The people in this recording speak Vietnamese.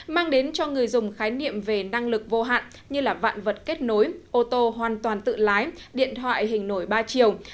mang đến cho người dùng khái niệm về năng lực vô hạn như vạn vật kết nối ô tô hoàn toàn tự lái điện thoại hình nổi ba chiều